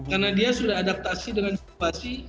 karena dia sudah adaptasi dengan jokowi